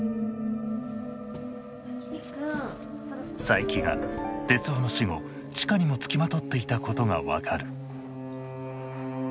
佐伯が徹生の死後千佳にもつきまとっていたことが分かる。